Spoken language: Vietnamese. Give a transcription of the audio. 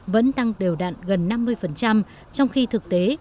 vẫn tăng đều đạn gần năm mươi trong khi thực tế